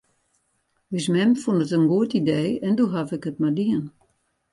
Us mem fûn it in goed idee en doe haw ik it mar dien.